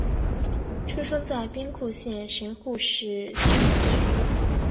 出生在兵库县神户市须磨区。